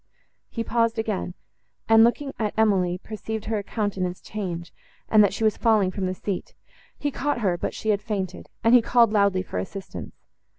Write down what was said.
He paused again; and, looking at Emily, perceived her countenance change, and that she was falling from the seat; he caught her, but she had fainted, and he called loudly for assistance.